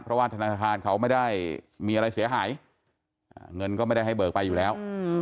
เพราะว่าธนาคารเขาไม่ได้มีอะไรเสียหายเงินก็ไม่ได้ให้เบิกไปอยู่แล้ว